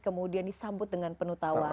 kemudian disambut dengan penuh tawa